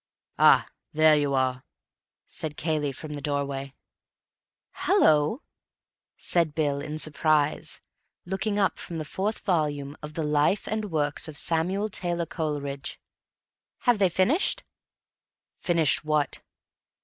"Ah, there you are," said Cayley from the doorway. "Hallo!" said Bill, in surprise, looking up from the fourth volume of "The Life and Works of Samuel Taylor Coleridge." "Have they finished?" "Finished what?"